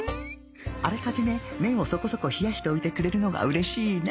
あらかじめ麺をそこそこ冷やしておいてくれるのが嬉しいね